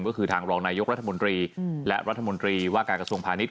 ก็คือทางรองนายกรัฐมนตรีและรัฐมนตรีว่าการกระทรวงพาณิชย